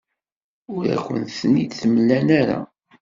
Ur akent-ten-id-mlan ara.